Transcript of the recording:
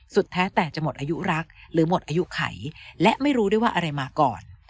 แท้แต่จะหมดอายุรักหรือหมดอายุไขและไม่รู้ด้วยว่าอะไรมาก่อน